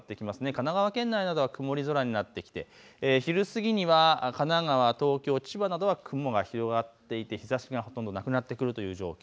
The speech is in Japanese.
神奈川県内などは曇り空になってきて昼過ぎには神奈川、東京、千葉などは雲が広がっていて日ざしがほとんどなくなってくるという状況。